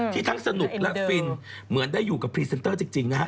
ทั้งสนุกและฟินเหมือนได้อยู่กับพรีเซนเตอร์จริงนะครับ